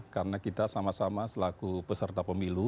karena kita sama sama selaku peserta pemilu